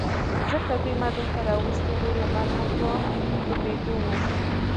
ځکه دوی ما دلته را وستي و، لمر هم په ډوبېدو و.